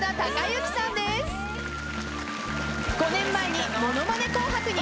５年前に『ものまね紅白』に出演。